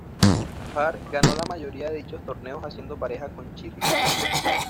Hart ganó la mayoría de dichos Torneos haciendo pareja con Shirley Fry.